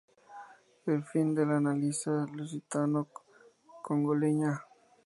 Fue el fin de la alianza lusitano-congoleña.